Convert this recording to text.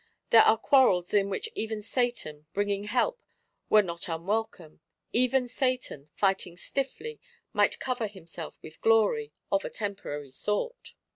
There are quarrels in which even Satan, bringing help, were not unwelcome; even Satan, fighting stiffly, might cover himself with glory,—of a temporary sort.